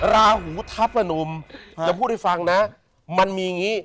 ราหูทัพพนมจะพูดให้ฟังนะมันมีอย่างนี้